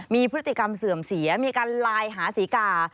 มีพฤติกรรมเสื่อมเสียมีการไลน์หาศรีกา